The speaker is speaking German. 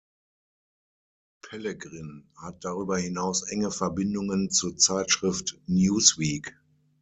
Pellegrin hat darüber hinaus enge Verbindungen zur Zeitschrift Newsweek.